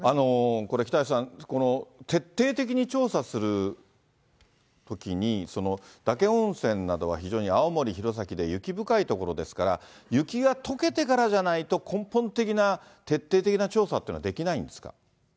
これ、北橋さん、徹底的に調査するときに、嶽温泉などは非常に青森・弘前で雪深い所ですから、雪がとけてからじゃないと根本的な、徹底的な調査っていうのはできないんですか？